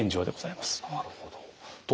なるほど。